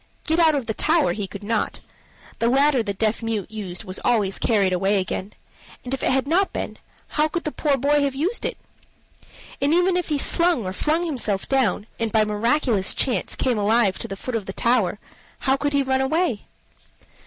Get out of the tower he could not: the ladder the deaf mute used was always carried away again; and if it had not been, how could the poor boy have used it? And even if he slung or flung himself down, and by miraculous chance came alive to the foot of the tower, how could he run away?